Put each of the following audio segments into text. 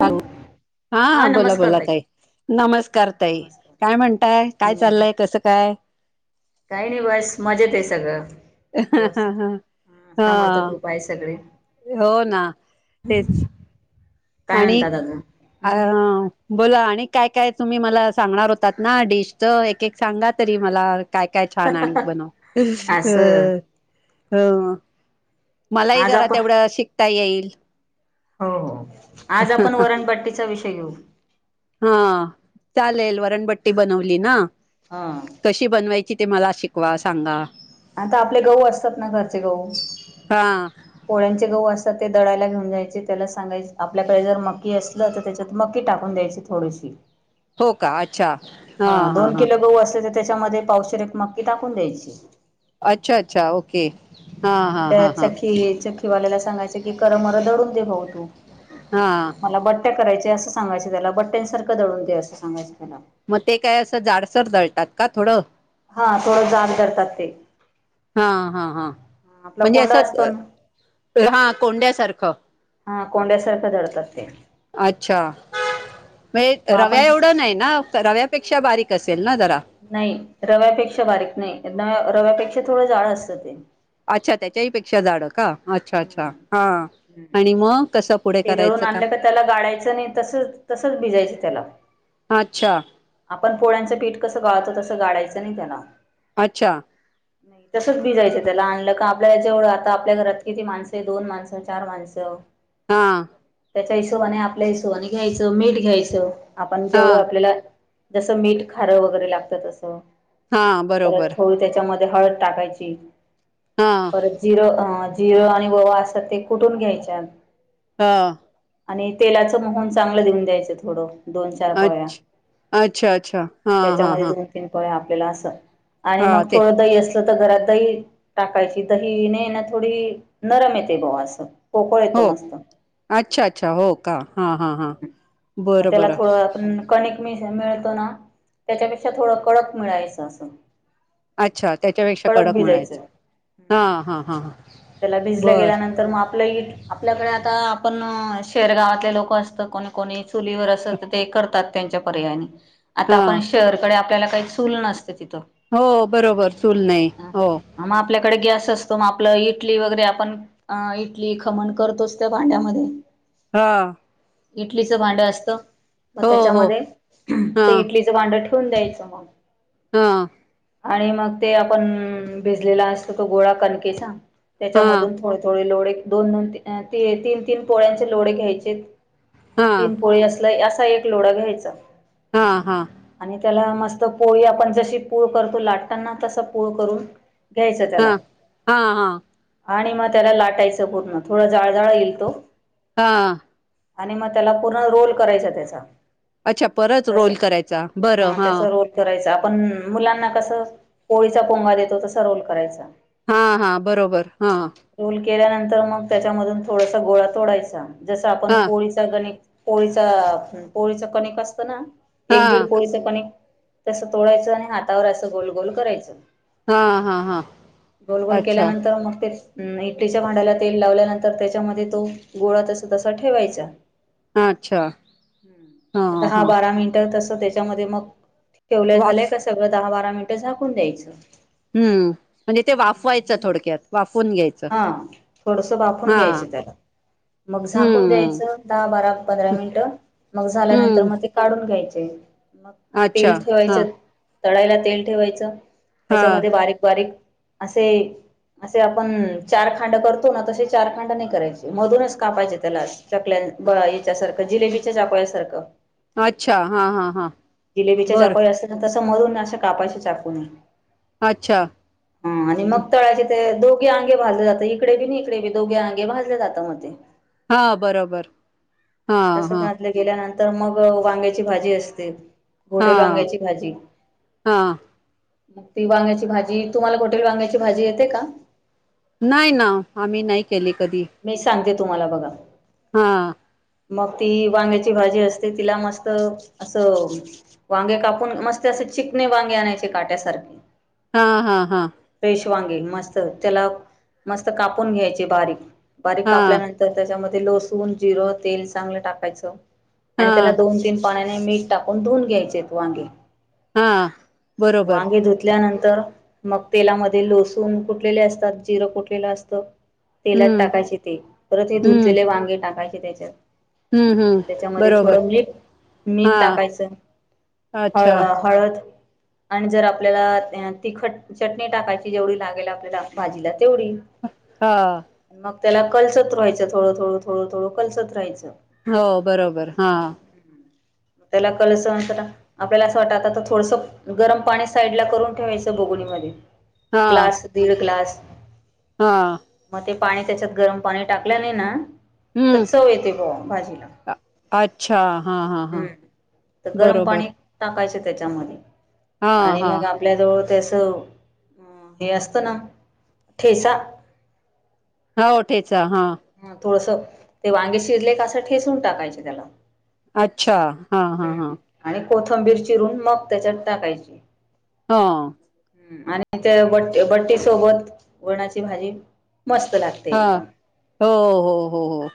ह हा हा बोला बोला ताई नमस्कार ताई नमस्कार. काय म्हणताय काय हम्म चाललंय कसं काय काही नाही बस मजेत आहे सगळं व्यवस्थ समर्थ हा कूप आहे सगळे हो ना तेच काय आणि म्हणतात अजून अ हम्म बोला आणि काय काय तुम्ही मला सांगणार होतात ना डिश तर एक एक सांगा तरी मला काय काय छान आणि बनव असं अ हम मलाही आज जरा आपण तेवढं शिकता येईल हो आज आपण वरणपाट्टीचा विषय घेऊ हा चालेल वरणपट्टी बनवली ना हा कशी बनवायची ते मला शिकवा सांगा आता आपले गहू असतात ना घरचे गहू हा पोळ्यांचे गहू असतात ते दडायला घेऊन जायचे त्याला सांगायचे आपल्याकडे जर मकी अस तर त्याच्यात मकी टाकून द्यायची थोडीशी. हा दोन किलो गहू असले तर त्याच्यामध्ये पावशर एक मक्की टाकून द्यायची. अच्छा-अच्छा ओके! हा हं आणि हा हा त्या हा चकी चकी वाल्याला सांगायचं कि करमर दळून दे भाऊ तु हा मला बट कराय असं सांगायं त्याला बटन सारखं दळून दे असं सांगायं त्याला. मग ते काय असं जाडसर जळतात का थोडं? हा थोडं जाड दळतात ते! हा-हा-हा आपला म्हणजे कोंडा असतो असं ना हा कोंड्यासारखं? हा कोंड्यासारखं दळतात ते. अच्छा! म्हणे मग आपण रव्या एवढा नाही ना रव्यापेक्षा बारीक असेल ना जरा? नाही रव्यापेक्षा बारीक नाही रव्या रव्यापेक्षा थोडं जाड असतं ते. अच्छा त्याच्याही पेक्षा जाड का अच्छा-अच्छा हम्म हा आणि मग कसं पुढे ते दळून करायचं आणलं का त्याला गाळायचं नाही तस तसच भिजायचं त्याला. अच्छा आपण पोळ्यांचं पीठ कसं गाळतो तसं गाळायचं नाही त्याला. अच्छा! नाही तसंच भिजयचं त्याला आणलं का आपल्या जेवढं आता आपल्या घरात किती माणसं दोन माणसं चार माणसं हा! त्याच्या हिशोबाने आपल्या हिशोबाने घ्यायचं मीठ घ्यायचं आपण हा जेवढं आपल्याला जसं मीठ खारं वगैरे लागतं तसं हा परत बरोबर थोड त्याच्यामध्ये हळद टाकायची. हा! परत जिर-जिर आणि ववा असत ते कुठून घ्यायचेत? हा! आणि तेलाचं मोहन चांगलं देऊन द्यायचं थोडं. दोन चार पळ्या अच्छ अच्छा अच्छा हा हा त्याच्यामध्ये हा दोन पोळ्या आपल्या आणि हा मग ते थोड दही असल तर घरात दही टाकायची दहीन ना थोडी नरम येते ग असं. पोकळ येतो मस्त. अच्छा-अच्छा हो का हा-हा-हा! मग त्याला थोडं आपण कणिक मि मिळतो ना त्याच्यापेक्षा थोडं कडक मिळायचं असं. अच्छा त्याच्यापेक्षा कडक मळायच हा-हा हा-हा. मग त्याला भिजल्या गेल्यानंतर मग आपलं आपल्याकडे आता आपण शेरगावातले लोक असतं कोणी-कोणी चुलीवर अस तर ते करतात. त्यांच्या पर्याने आता हां आपण शहरकडे आपल्याला काही चूल नसतं तिथं. हो बरोबर चूल नाही हो. ह मग आपल्याकडे गॅस असतो, मग आपलं इ टली वगैरे आपण अ इटली खमण करतोच त्या भांड्यामध्ये. हा! इडलीच भांडं असत मग हो हो त्याच्यामध्ये ते हां इडली च भांडं ठेवून द्यायचं मग! हा! आणि मग ते आपण भिजलेला असतो तो गोळा कणकेचा हां त्याच्यामधून थोडे-थोडे लोळे दोन-दोन तीन-तीन पोळ्यांचे लोळे घ्यायचेत. हां तीन पोळी असलय असा एक लोढा घ्यायचा. हा हा! आणि त्याला मस्त पोळी आपण जशी पूळ करतो लाटताना तस पूळ करून घ्यायचं त्याला. हा हा. आणि मग त्याला लाटायचं पूर्ण थोडं जाड जाड येईल तो. हा. आणि मग त्याला पूर्ण रोल करायचा त्याचा. अच्छा परत रोल करायचा बरं हा. करायच आपण मुलांना कसं पोळीचा पोंगा देतो तस रोल करायचा. हा हा बरोबर हा. ल केल्यानंतर मग त्याच्या मधून थोडासा गोळा तोडायचा जस आपण हां पोळी गणिक पोळीच पोळीच कणिक असतं ना एक हां दीड पोळीच कणिक तसं तोडायचं आणि हातावर असं गोल गोल करायचं. हां हां हां गोल गोल अच्छा केल्यानंतर मग ते अ इटलीच्या भांड्याला तेल लावल्यानंतर त्याच्यामध्ये तो गोळा तसा तसा ठेवायचा. अच्छा हम् मग हां दहा हां बारा मिनट तस त्याच्या त्याच्यामध्ये मग ठेवलं झालंय वास का सगळं दहा बारा मिनिटं झाकून द्यायचं. हम् म्हणजे ते हम्म. वाफवायचं थोडक्यात वाफून घ्यायचं. हा थोडस बाफून हा घ्यायचं त्याला. मग झाकून हम्म द्यायचं दहा, बारा, पंधरा मिनिटं मग झाल्यानंतर हम्म मग ते काढून घ्यायचे मग अच्छा तेल ठेवायच हा तळायला तेल ठेवायचं. हा त्याच्यामध्ये बारीक-बारीक असे-असे आपण चार खांड करतो ना तसे चार खांड नाही करायचे मधूनच कापायचे त्याला. चकल्या ब याच्यासारखं जिलेबीच्या चाकोळ्यासारखं. अच्छा हा हा हा जिलेबीच्या बर चाकोळ्या असत ना तस मळुन असा कापायच्या चाकूनी. अच्छा. हं आणि मग तळाचे ते दोघे अ भाजलं जातं इकडे बी इकडे दोघे आगे भाजले जातं मध्ये. हा बरोबर हा तसं हा. घातलं गेल्यानंतर मग वांग्याची भाजी असते. हा होटेल वांग्याची भाजी. हा मग ती वांग्याची भाजी तुम्हाला हॉटेल वांग्याची भाजी येते का? नाही ना आम्ही नाही केले कधी. मी सांगते तुम्हाला बघा. हा. मग ती वांग्याची भाजी असते तिला मस्त असं वांगे कापून मस्त असे चिकणे वांगे आणायचे काट्यासारखे. हा हा हा. फ्रेश वांगे मस्त त्याला मस्त कापून घ्यायचे बारीक बारीक हा कापल्यानंतर तर त्याच्यामध्ये लसूण, जिर तेल चांगलं टाकायचं हा आणि त्याला दोन तीन पाण्याने मीठ टाकून धुवून घ्यायचे आहेत वांगे. हा. बरोबर वांगे धुतल्यानंतर मग तेलामध्ये लसण कुठलेले असतात जिरं कुठलेलं असतं तेलात हम्म टाकायचे ते परत हे हम्म धुतलेले वांगे टाकायचे त्याच्यात. हम्म हम्म त्याच्यामध्ये बरोबर थोडं मीठ हा टाकायचं. हळ अच्छा हळद. आणि जर आपल्याला तिखट चटणी टाकायची जेवढी लागेल आपल्याला भाजीला तेवढी. हा. मग त्याला कलचत रहायं थोडं थोडू थोडं थोडं कलचत राहायचं. हो बरोबर हा. त्याला कलस आपल्याला असं वाटतता थोडस गरम पाणी साईड ला करून ठेवायचं बगणीमध्ये हा ग्लास दीड ग्लास. हा मग ते पाणी त्याच्यात गरम पाणी टाकलं नाही ना तर हम्म. चव येते ब भाजीला अ- अच्छा हा हा हा हम्म तर गरम बरोबर पाणी टाकायचे त्याच्यामध्ये हा आणि हा मग आपल्या जवळ त्यास हे असतं ना ठेसा होठेचा हा ह थोडस ते वांगे शिजले का असं ठेसून टाकायचे त्याला अच्छा हा हा हा हम्म. आणि कोथंबीर चिरून मग त्याच्यात टाकायची हा आणि त्या बट्ट बट्टी सोबत वणाची भाजी मस्त लागते हा एकदम. हो हो हो हो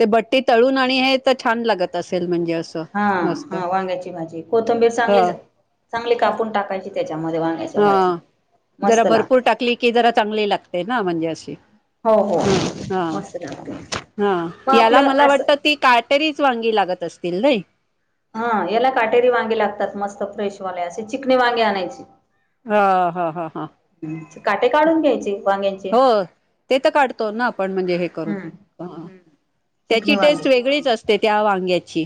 ते बट्टी तळून आणि हे तर छान लागत असेल म्हणजे हा मस्त हा वांगायची भाजी कोथंबीर ह चांगली चांगली कापून टाकायची त्याच्यामध्येांग च्या हा भाजी जरा भरपूर टाकली की जरा चांगली लागते ना म्हणजे अशी हो हो हा हा मस्त लागते हा मग याला मला आपलं वाटत असं ती का तरीच वांगी लागत असतील ना हा याला काटेरी वांगे लागतात मस्त फ्रेशवाले असशी चिकणी वांगे आणायची हा हा हा हा काटे काढून घ्यायचे वांग्यांचे हो ते तर काढतो ना आपण म्हणजे हे करून हम्म. हम्म. त्याची चिकणे वांगे टेस्ट वेगळीच असते त्या वांग्याची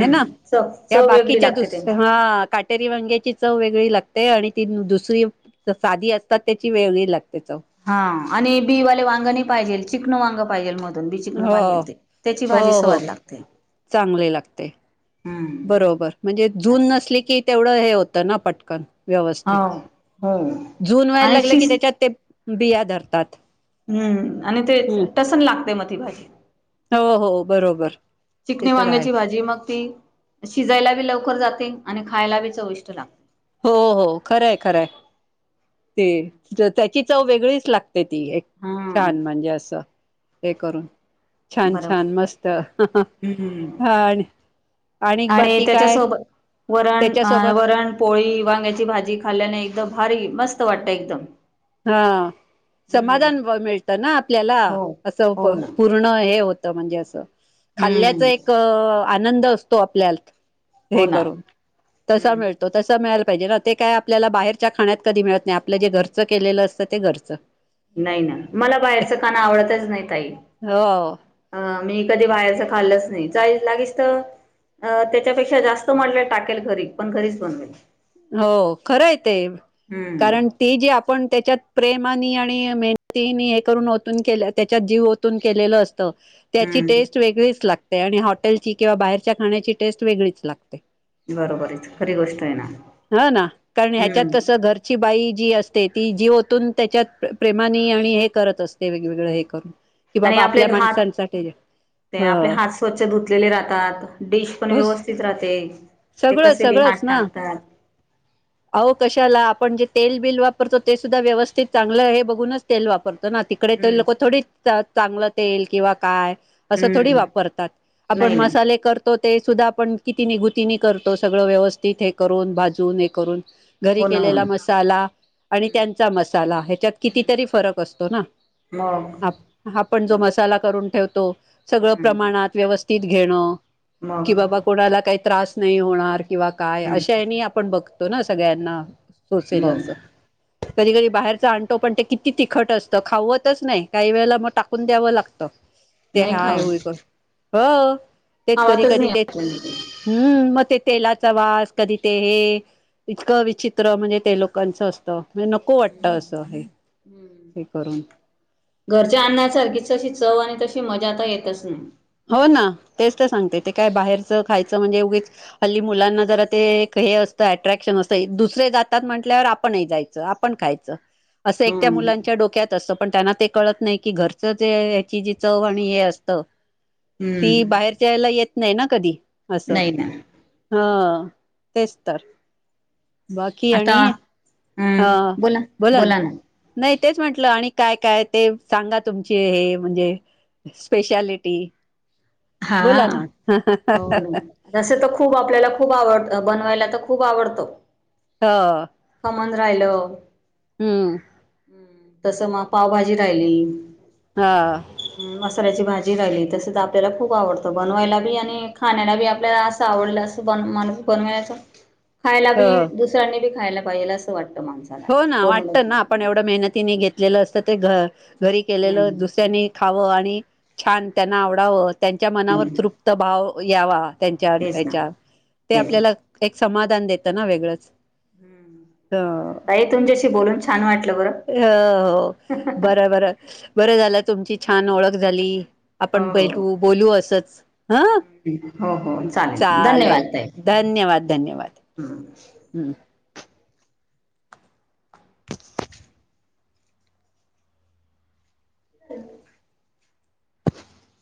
ह ना चव या चव वेगळी बाकीच्या लागते त्यांची. दुसऱ्या ह री वांग्याची चव वेगळी लागते आणि ती दुसरी साधी असतात त्याची वेगळी लागते च हा आणि बीवाले वांगा नाही पाहिजे चिकन वांग पाहिजेल मध्ये दन बी चिकन हो पाहिजेल ते त्याची भाजी हो हो स्वाद लागते चांगले लागते हम्म बरोबर म्हणजे जुून अस नसली की तेवढं हे होतं ना पटकन व्यवस्थित हो हो जून व्हायला आणि लागलं की शिस त्याच्यात ते बिया धरतात हम्म आणि ते हम्म टसन लागते म ती भाजी हो हो बरोबर ते चिकणी तर आहे वांग्याची भाजी मग ती शिजायला बी लवकर जाते आणि खायला बी चविष्ट लागते हो हो खरंय खरंय ते त्याची चव वेगळीच लागते ती एक हा छान म्हणजे असं हे करून छान छान बरोबर मस्त ह हम्म आणि आणि बाकी काय वरण अ त्याच्यासोबत वरण पोळी वांग्याची भाजी खाल्ल्याने एकदम भारी मस्त वाटत एकदम हा हम्म समाधान मिळतं ना आपल्याला हो असं हो ना पर्ण हे होत म्हणजे अस खाल्ल्याच हम्म एक आनंद असतो आपल्यात हो हे ना करून तसा मिळत त तसा मिळायला पाहिजे ना ते काय आपल्याला बाहेरच्या खाण्यात कधी मिळत नाही आपलं जे घर च केलेलं असतं ते घरचं नाही ना मला बाहेरचं काणं आवडतच नाही ताई हो अ मी कधी बाहेरच खाल्लच नाही चाई लागेच तर अ त्याच्यापेक्षा जास्त मडले टाकेल खरी पण घरीच बनवेल हो खरं आहे ते हम्म कारण ती जी आपण त्याच्यात प्रेमानी आणि मेहनतीनी हे करून ओतून केल्या त्याच्यात जीव केलेलं असतं त्याची टेस्ट हम्म वेगळीच लागते आणि हॉटेलची किंवा बाहेरच्या खाण्याची टेस्ट वेगळीच लागते बरोबर आहेच खरी गोष्ट आहे ना ह ना कारण ह्याच्यात हम्म कसं घर बाई जी असते ती जीवतून त्याच्यात प्रेमानी आणि हे करत असते वेगवेगळं हे कर कि आणि बाबा आपले आपल्या हात माणसांसाठी ते आपले हात ह स्वच्छ धुतलेले राहतात डिश पण व्यवस्थित राहते ते सगळं कसे बी सगळंच हात ना टाकतात अहो कशाला आपण जे तेल बिल वापरतो ते सुद्धा व्यवस्थित चांगलं हे बघूनच तेल वापरतो ना तिक तकडे तर हम्म लोक थोडी चांगलं तेल किंवा काय असं थोडी हम्म वापरतात आपण नाही ना मसाले कर ते सुद्धा आपण किती निघुतीनी करतो सगळं व्यवस्थित हे करून भाजून हे करून घरी हो ना हो केलेला ना मसाला आणि हम्म त्यांचा मसाला ह्याच्यात हम्म कितीतरी फरक असतो ना मग आपण जो बर मसाला करून ठेवतो सगळं हम्म प्रमाणात व्यवस्थित घेणं कि मग बाबा कोणाला काही त्रास नाही होणार किंवा काय हम्म अशानी आपण बघतो ना सगळ्यांना सोसेल मग अस कधी कधी बाहेरच आणणतो पण ते किती तिखट असतं खावतच नाही काही वेळेला मग टाकून द्यावं लागतं ते नाही हाय खाव होईकण हो तेच कधी खावातच कधी नाही तेच आपण हम्म म तेलाचा वास कधी ते हे इतकं विचित्र म्हणजे ते लोकांचं असतं म्ह नको वाटतं असं हे हम्म करून घरच्या अण्णा सारखी तशी चव आणि तशी मजा आता येतच नाही हो ना तेच तर सांगते ते काय बाहेरचं खायचं म्हणजे उगीच हल्ली मुलांना जरा ते हे असतं अट्रॅक्शन असतं दुसरे जातात म्हंटल्यावर आपणही जायचं ण खा अस हम्म मुलांच्या डोक्या असत पण त्यांना ते कळत नाही की घरच जे याची जी चव आणि हे असत ती हम्म बाहेर जायला येत नाही ना कधी असं नाही ना हा तेच तर बाकी आणि हा बोला ना नाही तेच म्हंटलं आणि काय काय ते सांगा तुमचे हे म्हणजे स्पेशालिटी हा बोला ना हो ना तसं तर खूप आपल्याला खूप आवडत बनवायला तर खूप आवडतो हा खमण राहिल हम्म तसं मग पावभाजी राहिली हा मसाल्याची भाजी राहिली तसच आपल्यालाप खूप आवडतं बनवायला बी आणि खाण्याला बी आपल्याला असं आवडलं असं बन बनवायच खायला ह बी दुसऱ्यांनी बी खायला पाहिजेल असं वाटतं माणसं हो ना वाटतं ना आपण एवढं मेहनतीनी घेतलेलं असतं ते घ घरी केलेलं हम्म दुसऱ्यांनी खावं आणि छान त्यांना आवडावं त्यांच्या मनावर हम्म तृप्त भाव यावा त्यांच्या तेच ना ह्याच्या ते तेच ना आपल्याला एक समाधान देत ना वेगळंच हम्म ह ताई तुमच्याशी बोलून छान वाटलं बरं अ हो बरं बर बरं झालं तुमची छान ओळख झाली आपण हो हो बलू बोलू असंच हा हो हो चालेल धन्यवाद ताई धन्यवाद धन्यवाद हम्म हम्म ह्